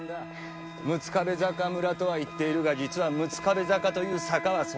六壁坂村とは言っているが実は六壁坂という坂は存在しない。